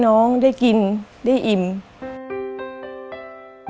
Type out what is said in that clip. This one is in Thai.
มันต้องการแล้วแล้วก็หายให้มัน